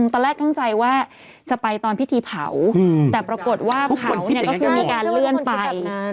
ตอนแรกตั้งใจว่าจะไปตอนพิธีเผาแต่ปรากฏว่าเผาเนี่ยก็คือมีการเลื่อนไป